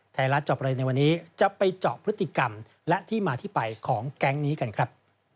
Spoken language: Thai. ไทยรัฐจอบประเด็นในวันนี้จะไปเจาะพฤติกรรมและที่มาที่ไปของแก๊งนี้กันครับ